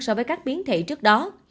so với các biến thể trước đó